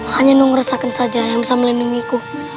hanya nung resakan saja yang bisa melindungiku